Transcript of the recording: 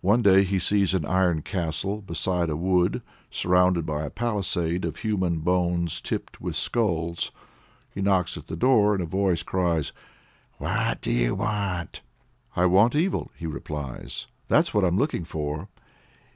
One day he sees an iron castle beside a wood, surrounded by a palisade of human bones tipped with skulls. He knocks at the door, and a voice cries "What do you want?" "I want evil," he replies. "That's what I'm looking for."